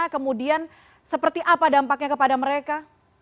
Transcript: kemudian seperti apa dampaknya kepada mereka